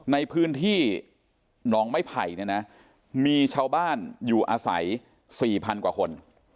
ในพื้นที่หนองไม้ไผ่เนี่ยนะมีชาวบ้านอยู่อาศัย๔๐๐๐กว่าคน